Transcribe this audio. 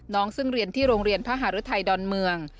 ซึ่งเรียนที่โรงเรียนพระหารุทัยดอนเมือง